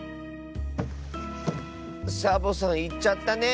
サボさんいっちゃったね。